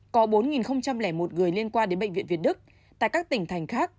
có bốn một người liên quan đến bệnh viện việt đức tại các tỉnh thành khác